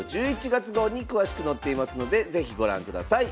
１１月号に詳しく載っていますので是非ご覧ください。